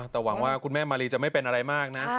แต่หวังว่าคุณแม่มารีจะไม่เป็นอะไรมากนะ